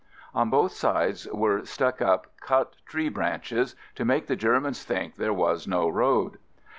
On both sides were stuck up cut tree branches to make the Germans think 14 AMERICAN AMBULANCE there was no road.